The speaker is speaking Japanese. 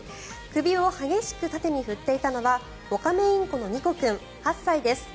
首を激しく縦に振っていたのはオカメインコのニコ君８歳です。